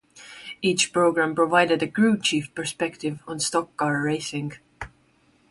Each program provided a crew chief perspective on stock car racing.